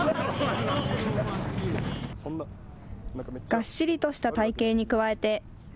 がっしりとした体型に加えて。